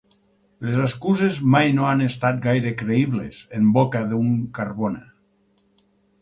Les excuses mai no han estat gaire creïbles en boca d'un Carbona.